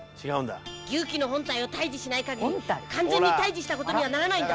「牛鬼の本体を退治しないかぎり完全に退治したことにはならないんだ」